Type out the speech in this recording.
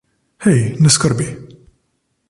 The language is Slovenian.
Hej, ne skrbi.